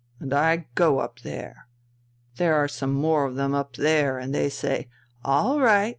And I go up there. There are some more of them up there, and they say 'All right!'